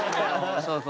そうそう。